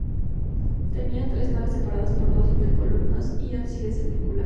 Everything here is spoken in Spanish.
Tenía tres naves separadas por dos intercolumnios y ábside semicircular.